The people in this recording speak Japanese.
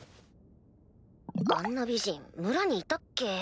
あんな美人村にいたっけ？